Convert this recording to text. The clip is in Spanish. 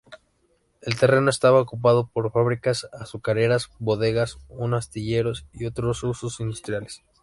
El terreno estaba ocupado por fábricas azucareras, bodegas, un astillero y otros usos industriales.